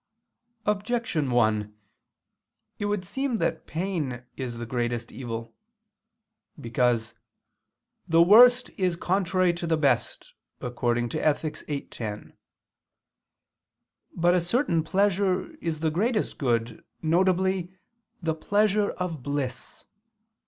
Objection 1: It would seem that pain is the greatest evil. Because "the worst is contrary to the best" (Ethic. viii, 10). But a certain pleasure is the greatest good, viz. the pleasure of bliss.